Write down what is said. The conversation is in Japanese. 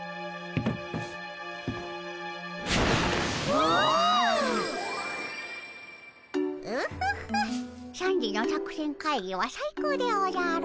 オホホッ３時の作戦会議は最高でおじゃる。